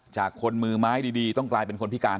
จากคนมือไม้ดีต้องกลายเป็นคนพิการ